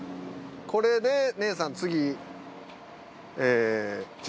これで姉さん次。